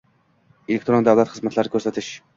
Elektron davlat xizmatlari ko‘rsatish